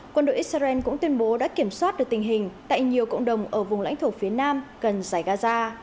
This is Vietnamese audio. quân đội israel cũng tuyên bố đã kiểm soát được tình hình tại nhiều cộng đồng ở vùng lãnh thổ phía nam gần giải gaza